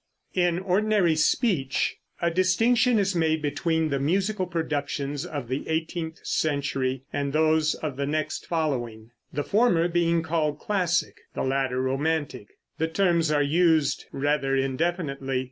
In ordinary speech a distinction is made between the musical productions of the eighteenth century and those of the next following; the former being called Classic, the latter Romantic. The terms are used rather indefinitely.